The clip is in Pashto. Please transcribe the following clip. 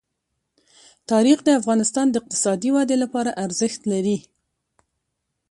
تاریخ د افغانستان د اقتصادي ودې لپاره ارزښت لري.